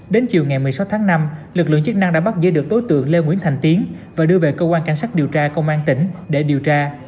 đến chiều ngày một mươi sáu tháng năm lực lượng chức năng đã bắt giấy được tối tượng lê nguyễn thành tiến và đưa về công an cảnh sát điều tra công an tỉnh để điều tra